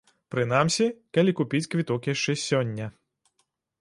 Прынамсі, калі купіць квіток яшчэ сёння.